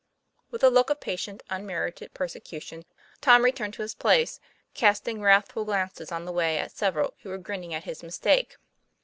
With a look of patient unmerited persecution Tom returned to his place, casting wrathful glances on the way at several who were grinning at his mistake.